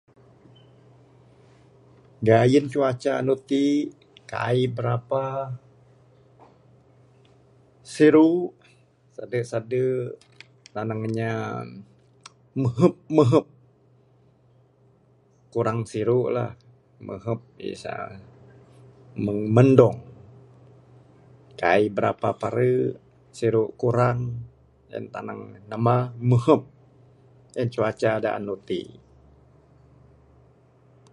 Gayun cuaca andu ti, kai brapa. Siru'k, ade sadu', tanang inya mehep mehep. Kurang siru'k lah, mehen is uhh..., meng mendong. Kai'k berapa pare, siru'k kurang, eng tanang namba, mehep. En cuaca da andu ti.